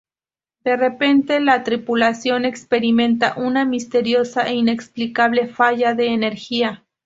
De repente, la tripulación experimenta una misteriosa e inexplicable falla de energía.